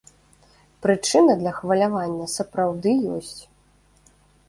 Прычына для хвалявання, сапраўды, ёсць.